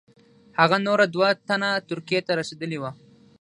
هغه نور دوه تنه ترکیې ته رسېدلي وه.